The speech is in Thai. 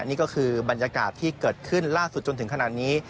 นี่ก็คือบรรยากาศที่เกิดขึ้นล่าสุดจนถึงขนาดนี้